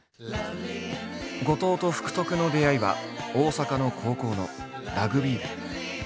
後藤と福徳の出会いは大阪の高校のラグビー部。